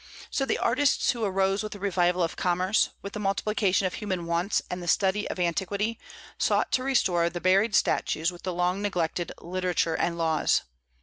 So the artists who arose with the revival of commerce, with the multiplication of human wants and the study of antiquity, sought to restore the buried statues with the long neglected literature and laws.